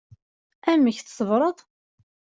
Amek tṣebbreḍ?